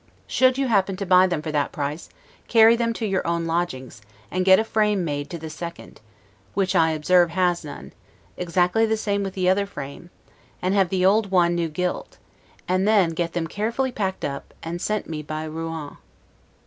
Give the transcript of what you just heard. Should you happen to buy them for that price, carry them to your own lodgings, and get a frame made to the second, which I observe has none, exactly the same with the other frame, and have the old one new gilt; and then get them carefully packed up, and sent me by Rouen.